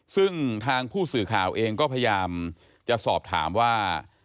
ซึ่งทางผู้สื่อข่าวเองก็พยายามจะสอบถามว่า